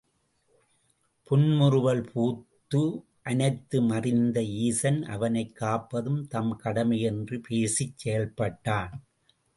புன்முறுவல் பூத்து அனைத்தும் அறிந்த ஈசன் அவனைக் காப்பது தம் கடமை என்று பேசிச் செயல்பட்டான்.